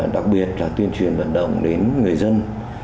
đặc biệt là tuyên truyền vận động đến người dân